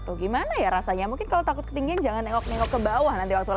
tuh gimana ya rasanya mungkin kalau takut ketinggian jangan nengok nengok ke bawah nanti waktu lagi